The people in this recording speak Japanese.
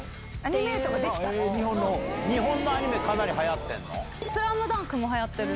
日本のアニメ、かなりはやってるの？